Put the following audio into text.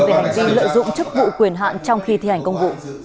về hành vi lợi dụng chức vụ quyền hạn trong khi thi hành công vụ